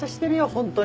ホントに。